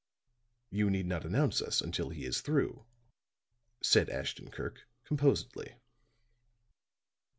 "You need not announce us until he is through," said Ashton Kirk, composedly.